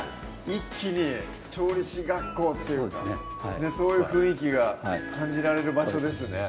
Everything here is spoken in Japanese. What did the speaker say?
一気に調理師学校っていうそういう雰囲気が感じられる場所ですね